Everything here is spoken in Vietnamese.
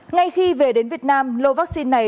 ngay khi về đến việt nam lô vắc xin này